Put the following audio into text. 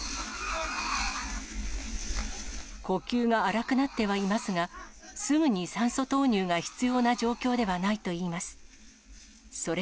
呼吸が荒くなってはいますが、すぐに酸素投入が必要な状況ではないといいます。